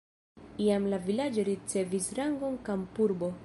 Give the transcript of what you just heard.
Iam la vilaĝo ricevis rangon kampurbo.